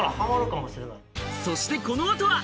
そしてこの後は